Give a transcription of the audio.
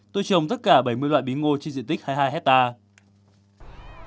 tôi trồng tất cả bảy mươi loại bí ngô trên diện tích hai mươi hai hectare